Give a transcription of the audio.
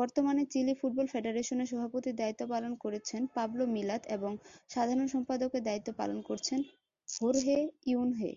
বর্তমানে Chile football ফেডারেশনের সভাপতির দায়িত্ব পালন করছেন পাবলো মিলাদ এবং সাধারণ সম্পাদকের দায়িত্ব পালন করছেন হোর্হে ইয়ুনহে।